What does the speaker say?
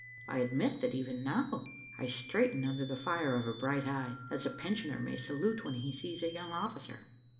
I admit that even now I straighten under the fire of a bright eye, as a pensioner may salute when he sees a young officer.